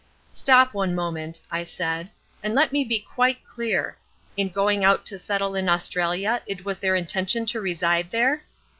"Stop one moment," I said, "and let me be quite clear—in going out to settle in Australia it was their intention to reside there?"